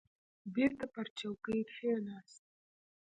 بېرته پر چوکۍ کښېناست.